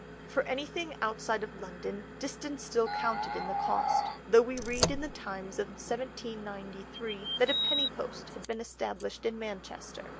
For anything outside of London, distance still counted in the cost, though we read in The Times of 1793 that a penny post had been established in Manchester.